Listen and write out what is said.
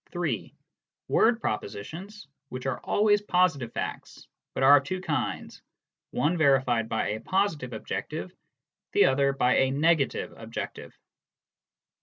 (3) Word propositions, which are always positive facts, but are of two kinds, one verified by a positive objective, the other by a negative objective.